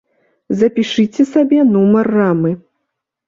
Запішыце сабе нумар рамы.